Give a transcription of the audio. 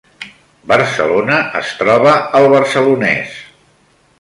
Barcelona es troba al Barcelonès